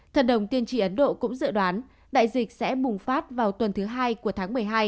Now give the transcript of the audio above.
thần đồng tiên tri ấn độ cũng dự đoán đại dịch sẽ bùng phát vào tuần thứ hai của tháng một mươi hai